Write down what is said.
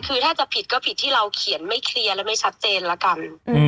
คือถ้าจะผิดก็ผิดที่เราเขียนไม่เคลียร์และไม่ชัดเจนละกัน